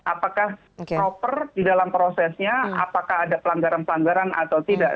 apakah proper di dalam prosesnya apakah ada pelanggaran pelanggaran atau tidak